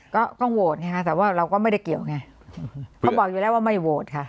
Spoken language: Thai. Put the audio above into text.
ก็ต้องโหวตไงฮะแต่ว่าเราก็ไม่ได้เกี่ยวไงเขาบอกอยู่แล้วว่าไม่โหวตค่ะ